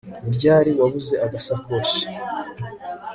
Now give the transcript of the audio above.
Ni ryari wabuze agasakoshi